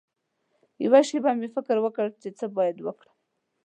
یوه شېبه مې فکر وکړ چې څه باید وکړم.